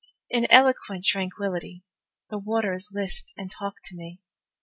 In eloquent tranquility The waters lisp and talk to me.